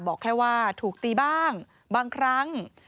บอกแค่ว่าถูกตีบ้างบางครั้ง